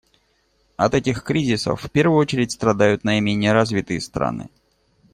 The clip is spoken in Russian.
От этих кризисов в первую очередь страдают наименее развитые страны.